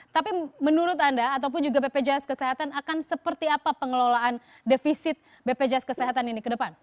tapi menurut anda ataupun juga bpjs kesehatan akan seperti apa pengelolaan defisit bpjs kesehatan ini ke depan